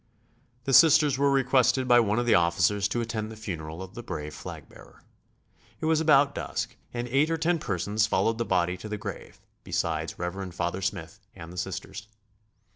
The Sisters were requested by one of the officers to attend the funeral of the brave flag bearer. It was about dusk and eight or ten persons followed the body to the grave, besides Rev. Father Smith and the Sisters.